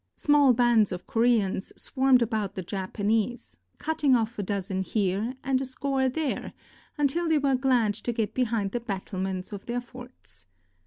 Small bands of Koreans swarmed about the Japanese, cutting off a dozen here and a score there, until they were glad to get behind the battlements of their forts.